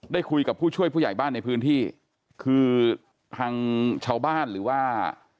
ได้คุยกับผู้ช่วยผู้ใหญ่บ้านในพื้นที่คือทางชาวบ้านหรือว่า